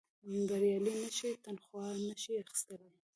بریالي نه شي تنخوا نه شي اخیستلای.